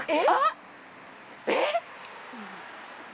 えっ！？